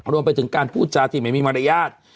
รวมไปถึงการพูดจาที่ไม่มีมารยาท